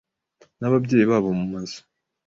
Nababyeyi babo mumazu